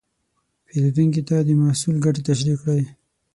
پیرودونکي ته د محصول ګټې تشریح کړئ.